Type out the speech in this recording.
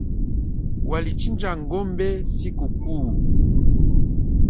Walichinja ng'ombe sikukuu